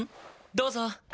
どうぞ。